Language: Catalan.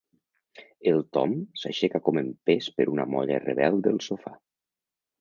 El Tom s'aixeca com empès per una molla rebel del sofà.